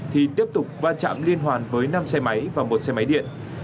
thì tiếp tục va chạm liên hoàn với năm xe máy và một xe máy điện